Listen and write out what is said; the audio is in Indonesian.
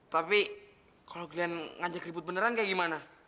tapi kalau glenn ngajak ribut beneran kayak gimana